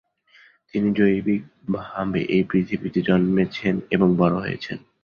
তিনি জৈবিকভাবে এই পৃথিবীতে জন্মেছন এবং বড় হয়েছেন।